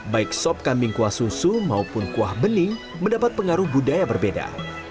baik sop kambing kuah susu maupun kuah bening mendapat pengaruh budaya berbeda